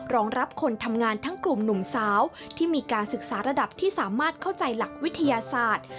รองรับคนทำงานทั้งกลุ่มหนุ่มสาวที่มีการศึกษาระดับที่สามารถเข้าใจหลักวิทยาศาสตร์